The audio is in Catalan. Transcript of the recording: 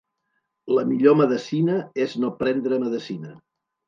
La millor medecina és no prendre medecina.